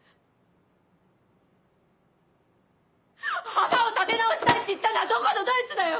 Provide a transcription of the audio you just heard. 浜を立て直したいって言ったのはどこのどいつだよ！